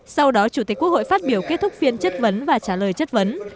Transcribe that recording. sau đó chủ tịch quốc hội phát biểu kết thúc phiên chất vấn và trả lời chất vấn